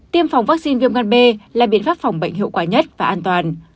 tiêm phòng vaccine viêm gan b là biện pháp phòng bệnh hiệu quả nhất và an toàn